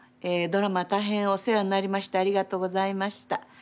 ドラマ大変お世話になりましてありがとうございました。